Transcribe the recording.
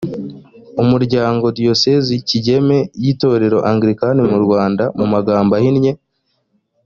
umuryango diyoseze kigeme y itorero angilikani mu rwanda mu magambo ahinnye